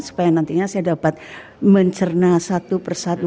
supaya nantinya saya dapat mencerna satu persatu